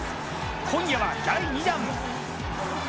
今夜は第２弾。